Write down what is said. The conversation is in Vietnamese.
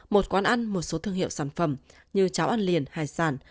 một quán ăn một số thương hiệu sản phẩm như cháo ăn liền hải sản